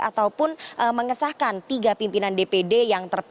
ataupun mengesahkan tiga pimpinan dpd yang tersebut